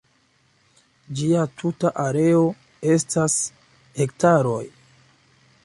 Ĝia tuta areo estas hektaroj.